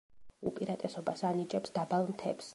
უპირატესობას ანიჭებს დაბალ მთებს.